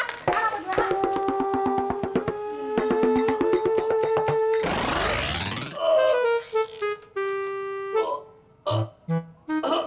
aduh udah udah udah